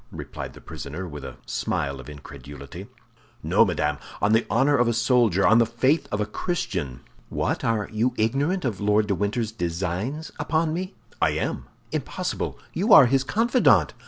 replied the prisoner, with a smile of incredulity. "No, madame, on the honor of a soldier, on the faith of a Christian." "What, you are ignorant of Lord de Winter's designs upon me?" "I am." "Impossible; you are his confidant!"